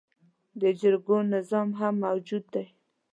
د جرګو نظام هم موجود دی